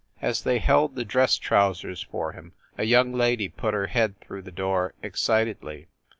As they held the dress trousers for him, a young lady put her head through the door, ex citedly.